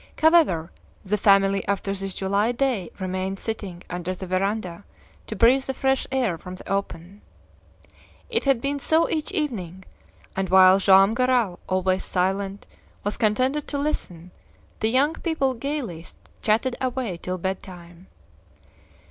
However, the family after this July day remained sitting under the veranda to breathe the fresh air from the open. It had been so each evening, and while Joam Garral, always silent, was contented to listen, the young people gayly chatted away till bedtime.